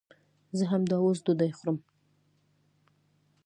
زه همداوس ډوډۍ خورم